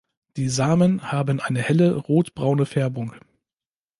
Die Samen haben eine helle rot-braune Färbung.